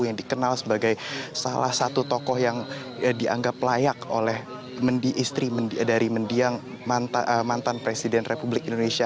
yang dikenal sebagai salah satu tokoh yang dianggap layak oleh istri dari mendiang mantan presiden republik indonesia